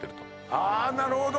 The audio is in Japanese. あなるほど。